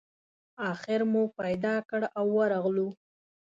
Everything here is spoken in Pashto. آخر مو پیدا کړ او ورغلو.